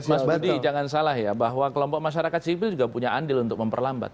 mas budi jangan salah ya bahwa kelompok masyarakat sipil juga punya andil untuk memperlambat